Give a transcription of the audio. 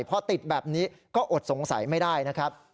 พอติดแบบนี้ก็อดสงสัยไม่ได้นะครับ